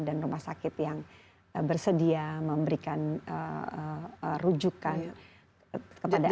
dan rumah sakit yang bersedia memberikan rujukan kepada anak anak